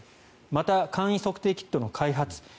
また簡易測定キットの開発